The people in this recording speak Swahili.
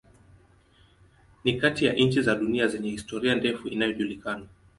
Ni kati ya nchi za dunia zenye historia ndefu inayojulikana.